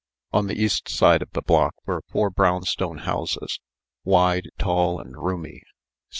On the east side of the block were four brownstone houses, wide, tall, and roomy.